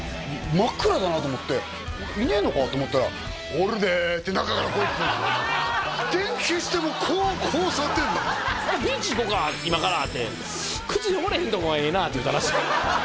真っ暗だなと思っていねえのか？と思ったら「おるで」って中から声聞こえて電気消してもうこう座ってんのほなビーチ行こうか今からって靴汚れへんとこがええなって言うたらしい